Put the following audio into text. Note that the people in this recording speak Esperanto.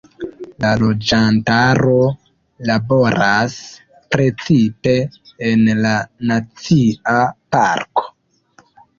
La loĝantaro laboras precipe en la nacia parko.